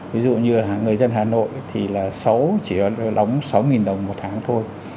ví dụ như người dân hà nội thì chỉ đóng sáu đồng một tháng thôi